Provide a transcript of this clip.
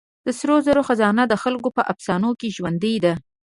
د سرو زرو خزانه د خلکو په افسانو کې ژوندۍ ده.